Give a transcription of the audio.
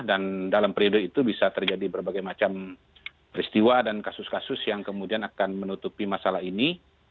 dan dalam periode itu bisa terjadi berbagai macam peristiwa dan kasus kasus yang kemudian akan menutupi masalah ini